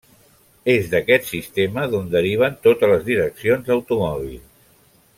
És d'aquest sistema d'on deriven totes les direccions d'automòbils.